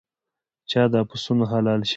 چې دا پسونه حلال شي.